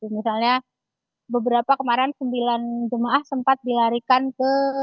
misalnya beberapa kemarin sembilan jemaah sempat dilarikan ke